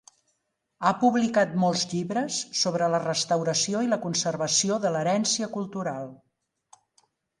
Ha publicat molts llibres sobre la restauració i la conservació de l'herència cultural.